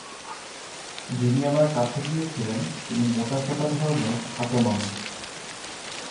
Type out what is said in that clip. যিনি আমার কাছে গিয়েছিলেন, তিনি মোটাসোটা ধরনের খাটো মানুষ।